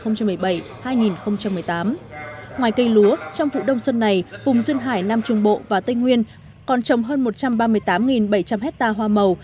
ngoài cây lúa trong vụ đông xuân này vùng duyên hải nam trung bộ và tây nguyên còn trồng hơn một trăm ba mươi tám bảy trăm linh hectare hoa màu